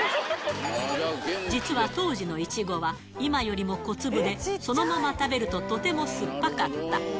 実は当時のいちごは、今よりも小粒でそのまま食べるととてもすっぱかった。